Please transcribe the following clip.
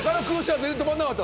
全然とまんなかった。